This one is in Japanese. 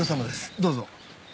どうぞ。